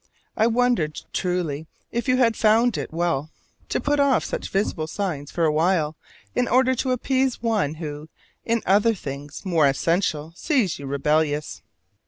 I wondered, truly, if you had found it well to put off such visible signs for a while in order to appease one who, in other things more essential, sees you rebellious.